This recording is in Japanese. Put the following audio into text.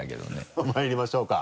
さぁまいりましょうか。